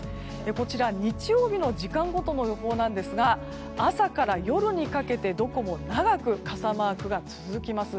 こちら、日曜日の時間ごとの予報なんですが朝から夜にかけてどこも長く傘マークが続きます。